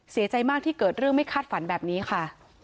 เสียใจมากที่เกิดเรื่องไม่คาดฝันแบบนี้ค่ะ